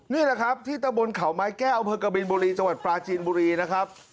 นี่แหละครับที่ตะบนเขาไม้แก้วอำเภอกบินบุรีจังหวัดปลาจีนบุรีนะครับ